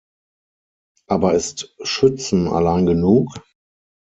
Aber ist Schützen allein genug?